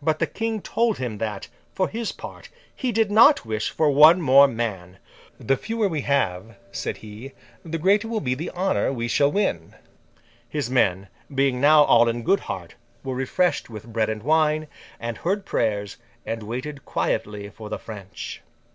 But the King told him that, for his part, he did not wish for one more man. 'The fewer we have,' said he, 'the greater will be the honour we shall win!' His men, being now all in good heart, were refreshed with bread and wine, and heard prayers, and waited quietly for the French.